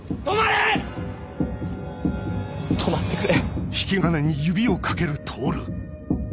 止まってくれ。